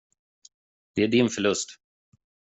Det är din förlust.